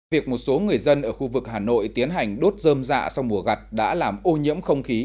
việc một số người dân ở khu vực hà nội tiến hành đốt dơm dạ sau mùa gặt đã làm ô nhiễm không khí